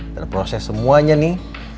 dan proses semuanya nih